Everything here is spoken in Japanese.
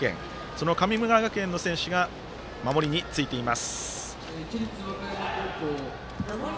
その神村学園の選手が守りについています。